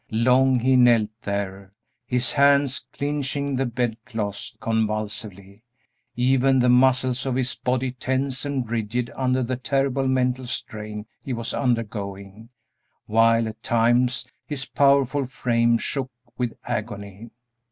Long he knelt there, his hands clinching the bedclothes convulsively, even the muscles of his body tense and rigid under the terrible mental strain he was undergoing, while at times his powerful frame shook with agony.